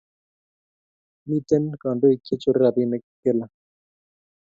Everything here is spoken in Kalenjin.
Miten kandoik che chore rapinik kila